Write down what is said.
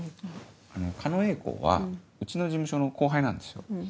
あの狩野英孝はうちの事務所の後輩なんですよ。